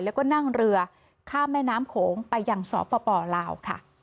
แล้วก็นั่งเรือข้ามแม่น้ำโขงไปยังสปลาวค่ะ